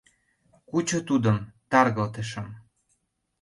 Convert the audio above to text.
— Кучо тудым, таргылтышым!